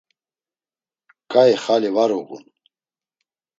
K̆ai xali var uğun.